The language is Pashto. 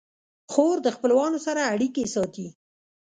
خور د خپلوانو سره اړیکې ساتي.